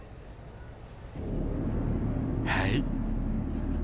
はい。